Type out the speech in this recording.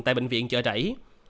tại bệnh viện chợ rảy